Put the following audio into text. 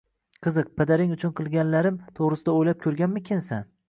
Qiziq, padaring uchun qilganlarim to`g`risida o`ylab ko`rganmikinsan